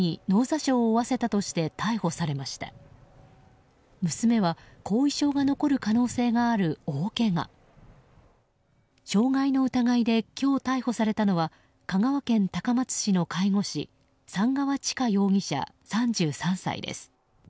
傷害の疑いで今日逮捕されたのは香川県高松市の介護士寒川知佳容疑者、３３歳です。